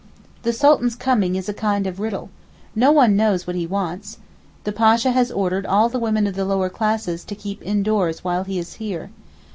The Sultan's coming is a kind of riddle. No one knows what he wants. The Pasha has ordered all the women of the lower classes to keep indoors while he is here.